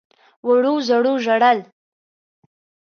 وړو _زړو ژړل.